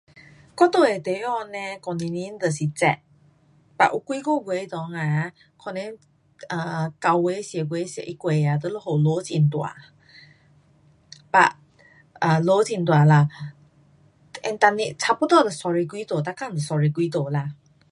我住的地方呢整个年都是热。but 有几个月内啊，可能 um 九月，十月，十一月啊就下雨下很大。but[um] 下很大啦 and 每年差不多都三十多度啦。